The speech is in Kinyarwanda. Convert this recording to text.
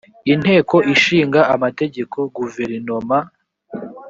inteko ishinga amategeko guverinoma